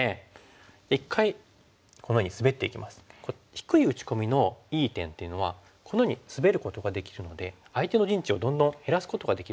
低い打ち込みのいい点っていうのはこのようにスベることができるので相手の陣地をどんどん減らすことができるんですね。